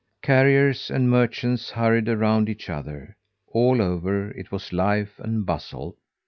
Carriers and merchants hurried around each other. All over, it was life and bustle.